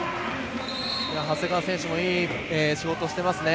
長谷川選手もいい仕事していますね。